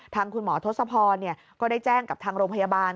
ทางคุณหมอทศพรก็ได้แจ้งกับทางโรงพยาบาล